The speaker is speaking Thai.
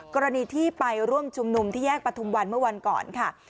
กรณีที่ไปร่วมชุมนุมที่แยกประทุมวันเมื่อวันก่อนค่ะ